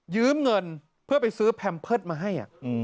เงินเพื่อไปซื้อแพมเพิร์ตมาให้